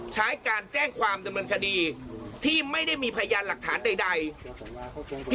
ใช้การแจ้งความดำเนินคดีที่ไม่ได้มีพยานหลักฐานใด